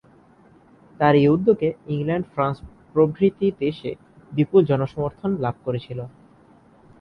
তার এই উদ্যোগে ইংল্যান্ড ফ্রান্স প্রভৃতি দেশে বিপুল জনসমর্থন লাভ করেছিল।